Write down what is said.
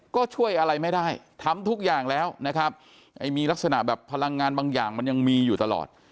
ก็ช่วยอะไรไม่ได้ทำทุกอย่างแล้วนะครับไอ้มีลักษณะแบบพลังงานบางอย่างมันยังมีอยู่ตลอด